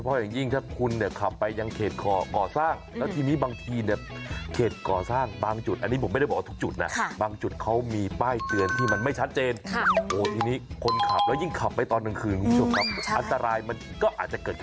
ทะนนทำก็เสียนะครับไม่มีป้ายบอกว่ากำลังก่อสร้างอยู่